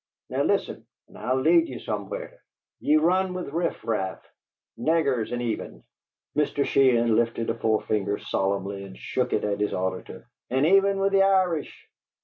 Now listen and I'll lead ye somewhere! Ye run with riffraff, naggers, and even" Mr. Sheehan lifted a forefinger solemnly and shook it at his auditor "and even with the Irish!